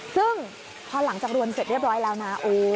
ซึ่งพอหลังจากรวมเสร็จเรียบร้อยแล้วนะ